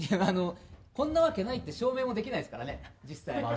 こんなわけないって証明もできないですからね。